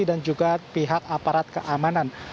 dan juga pihak aparat keamanan